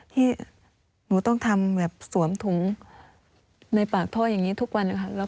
ที่หนูต้องทำแบบสวมถุงในปากท่ออย่างนี้ทุกวันนะคะ